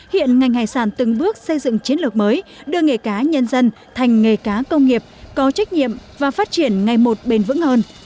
hiện ngành hải sản từng bước xây dựng chiến lược mới đưa nghề cá nhân dân thành nghề cá công nghiệp có trách nhiệm và phát triển ngày một bền vững hơn